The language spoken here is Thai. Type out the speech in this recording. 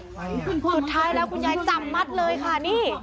สุดท้ายแล้วคุณยายจับมัดเลยค่ะนี่